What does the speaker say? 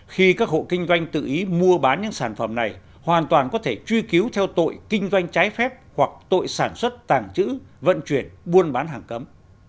khi các hộ kinh doanh tự ý mua bán những sản phẩm này hoàn toàn có thể truy cứu theo tội kinh doanh trái phép hoặc tội sản xuất tàng trữ vận chuyển buôn bán hàng cấm